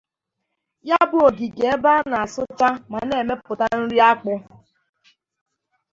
Ya bụ ogigè ebe a na-esucha ma na-emepụta nri akpụ